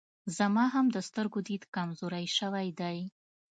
زما هم د سترګو ديد کمزوری سوی دی